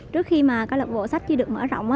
trước khi mà các lập bộ sách chưa được mở rộng